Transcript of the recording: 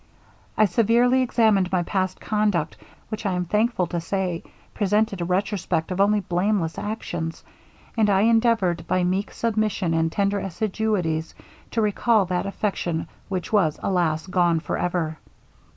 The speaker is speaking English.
I severely examined my past conduct, which I am thankful to say presented a retrospect of only blameless actions; and I endeavoured, by meek submission, and tender assiduities, to recall that affection which was, alas! gone for ever.